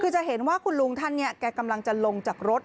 คือจะเห็นว่าคุณลุงท่านเนี่ยแกกำลังจะลงจากรถ